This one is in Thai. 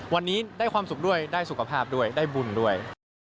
วันนี้ได้ความสุขด้วยได้สุขภาพด้วยได้บุญด้วย